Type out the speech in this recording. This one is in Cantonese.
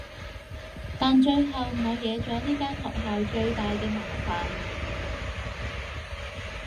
但最後我惹咗呢間學校最大嘅麻煩